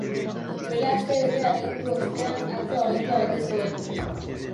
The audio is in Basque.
Duela astebete agindu ostean, atzo agindua bete zuen.